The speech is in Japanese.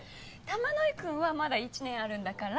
玉乃井くんはまだ１年あるんだから。